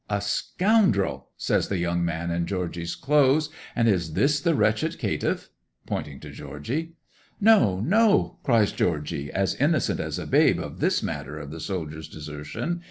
'"A scoundrel!" says the young man in Georgy's clothes. "And is this the wretched caitiff?" (pointing to Georgy). '"No, no!" cries Georgy, as innocent as a babe of this matter of the soldier's desertion.